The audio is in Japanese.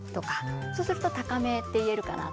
そうすると高めって言えるかな。